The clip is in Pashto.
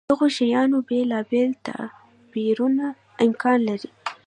دغو شیانو بېلابېل تعبیرونه امکان لري.